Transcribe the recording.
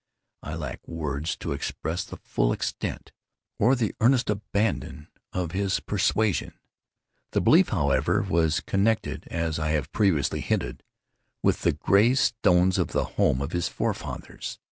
I lack words to express the full extent, or the earnest abandon of his persuasion. The belief, however, was connected (as I have previously hinted) with the gray stones of the home of his forefathers.